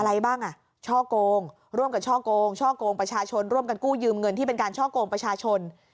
อะไรบ้างอ่ะช่อกงร่วมกับช่อกงช่อกงประชาชนร่วมกันกู้ยืมเงินที่เป็นการช่อกงประชาชน